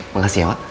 makasih ya pak